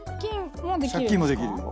借金もできるよ。